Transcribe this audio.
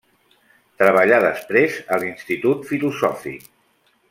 Treballà després a l'Institut Filosòfic.